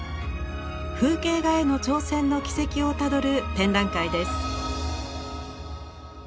風景画への挑戦の軌跡をたどる展覧会です。